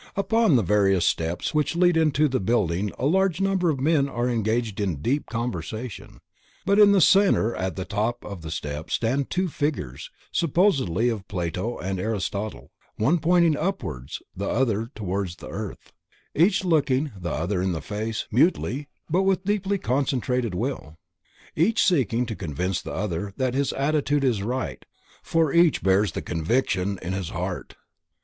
Upon the various steps which lead into the building a large number of men are engaged in deep conversation, but in the center at the top of the steps stand two figures, supposedly of Plato and Aristotle, one pointing upwards, the other towards the earth, each looking the other in the face, mutely, but with deeply concentrated will. Each seeking to convince the other that his attitude is right for each bears the conviction in his heart.